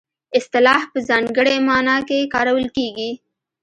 اصطلاح په ځانګړې مانا کې کارول کیږي